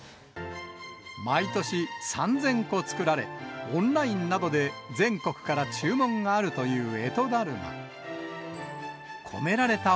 毎年、３０００個作られ、オンラインなどで全国から注文があるという干支だるま。